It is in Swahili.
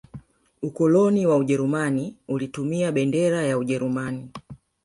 ukoloni wa ujerumani ulitumia bendera ya ujeruman